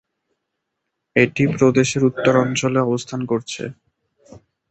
এটি প্রদেশের উত্তর অঞ্চলে অবস্থান করছে।